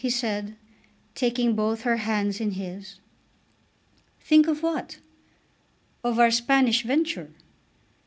he said, taking both her hands in his. "Think of what?" "Of our Spanish venture."